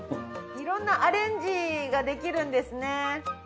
色んなアレンジができるんですね。